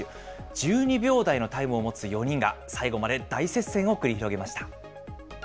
１２秒台のタイムを持つ４人が最後まで大接戦を繰り広げました。